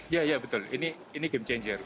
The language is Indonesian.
iya ya betul ini game changer